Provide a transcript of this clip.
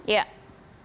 polri jangan ragu ragu